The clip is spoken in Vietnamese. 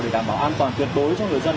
để đảm bảo an toàn tuyệt đối cho người dân